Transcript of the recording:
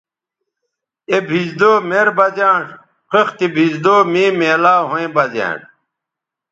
اے بھیزدو مر بہ زیانݜ خِختے بھیزدو مے میلاو ھویں بہ زیانݜ